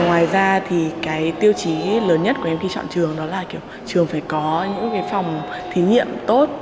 ngoài ra thì cái tiêu chí lớn nhất của em khi chọn trường đó là trường phải có những cái phòng thí nghiệm tốt